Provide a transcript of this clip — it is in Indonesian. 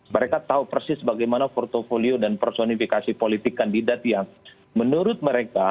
mereka tahu persis bagaimana portfolio dan personifikasi politik kandidat yang menurut mereka